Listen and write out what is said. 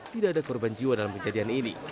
tidak ada korban jiwa dalam kejadian ini